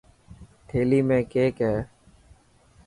ٿيلي ۾ ڪيڪ هي.